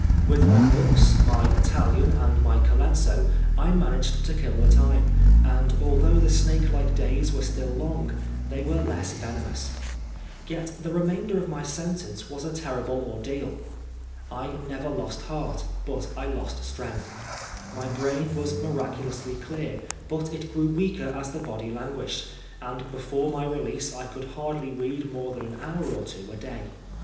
With my books, my Italian, and my Colenso, I managed to kill the time ; and although the snake like days were still long, they were less veno mous. Yet the remainder of my sentence was a ter 172 PBISONEB FOB BLASPHEMY. rible ordeal. I never lost heart, but I lost strength. My brain was miracnlonsly clear, but it grew weaker as the body languished ; and before my release I xsonld hardly read more than an hour or two a <lay.